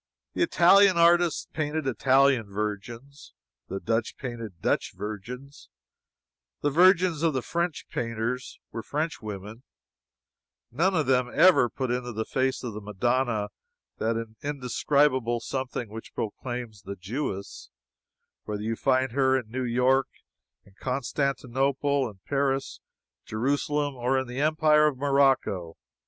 The Italian artists painted Italian Virgins, the Dutch painted Dutch Virgins, the Virgins of the French painters were Frenchwomen none of them ever put into the face of the Madonna that indescribable something which proclaims the Jewess, whether you find her in New York, in Constantinople, in Paris, Jerusalem, or in the empire of Morocco.